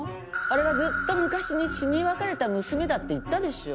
あれはずっと昔に死に別れた娘だって言ったでしょ。